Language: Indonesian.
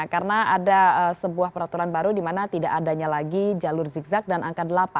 karena ada sebuah peraturan baru di mana tidak adanya lagi jalur zigzag dan angka delapan